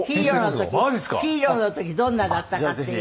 ヒーローの時どんなだったかっていう。